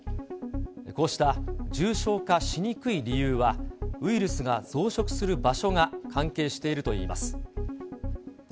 こうした重症化しにくい理由は、ウイルスが増殖する場所が関係しているといいます。